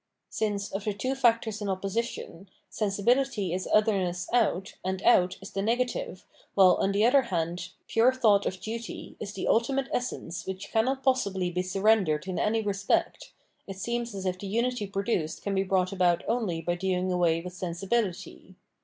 Since, of the two factors in opposition, sensibility is otherness out and out, is the negative, while, on the other hand, pure thought of duty is the ultimate essence which cannot possibly be surrendered in any respect, it seems as if the unity produced can be brought about only by doing away with sensibility.